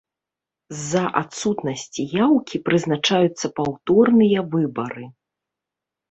З-за адсутнасці яўкі прызначаюцца паўторныя выбары.